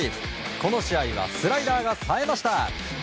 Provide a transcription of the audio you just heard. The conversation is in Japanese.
この試合はスライダーがさえました。